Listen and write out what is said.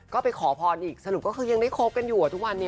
ก็ไปขอพรอีกสรุปก็คือยังได้คบกันอยู่ทุกวันนี้